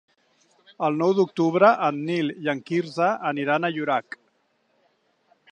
El nou d'octubre en Nil i en Quirze aniran a Llorac.